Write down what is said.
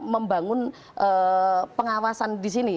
membangun pengawasan di sini